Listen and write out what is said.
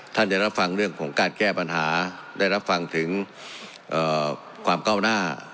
จะรับฟังเรื่องของการแก้ปัญหาได้รับฟังถึงความก้าวหน้า